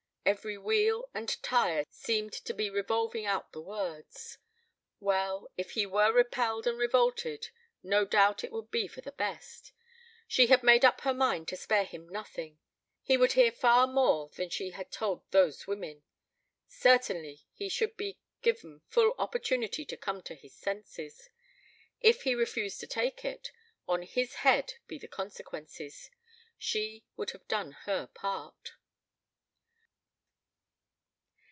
Every wheel and tire seemed to be revolving out the words. Well, if he were repelled and revolted, no doubt it would be for the best. She had made up her mind to spare him nothing. He would hear far more than she had told those women. Certainly he should be given full opportunity to come to his senses. If he refused to take it, on his head be the consequences. She would have done her part.